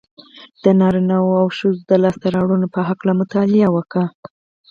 د نارينهوو او ښځو د لاسته راوړنو په هکله مطالعه وکړئ.